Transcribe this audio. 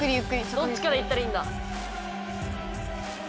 どっちから行ったらいいんだ？